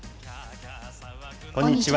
こんにちは。